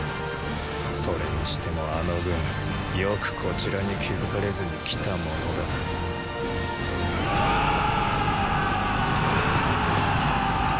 それにしてもあの軍よくこちらに気付かれずに来たものだウオオオオオオッ！！